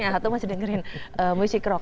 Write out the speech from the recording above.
yang satu masih dengerin musik rock